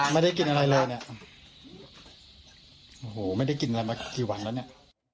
ไม่ได้กินอะไรเลยเนี่ยโอ้โหไม่ได้กินอะไรมากี่วันแล้วเนี่ย